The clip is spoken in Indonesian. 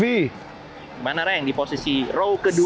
dimana reng di posisi row ke dua